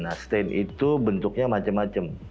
nah stage itu bentuknya macem macem